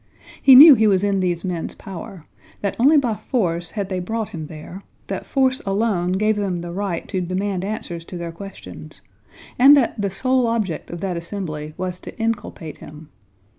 He knew he was in these men's power, that only by force had they brought him there, that force alone gave them the right to demand answers to their questions, and that the sole object of that assembly was to inculpate him.